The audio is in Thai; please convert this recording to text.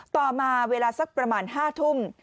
ต่อมาเวลาสักประมาณ๕ทุ่ม